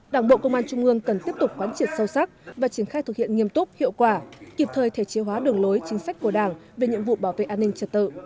đảng bộ công an trung ương cần tiếp tục quán triệt sâu sắc và triển khai thực hiện nghiêm túc hiệu quả kịp thời thể chế hóa đường lối chính sách của đảng về nhiệm vụ bảo vệ an ninh trật tự